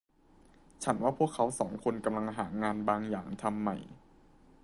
ฉันว่าพวกเขาสองคนกำลังหางานบางอย่างทำใหม่